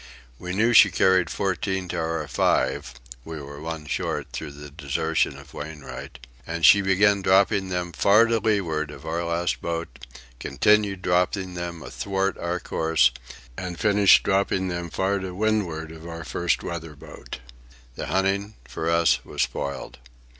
We knew she carried fourteen boats to our five (we were one short through the desertion of Wainwright), and she began dropping them far to leeward of our last boat, continued dropping them athwart our course, and finished dropping them far to windward of our first weather boat. The hunting, for us, was spoiled.